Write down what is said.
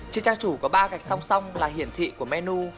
trên trang chủ có ba gạch song song là hiển thị của menu